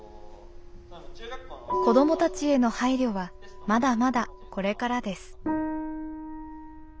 子どもたちへの配慮はまだまだこれからです。